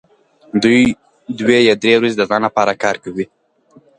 دوی دوې یا درې ورځې د ځان لپاره کار کوي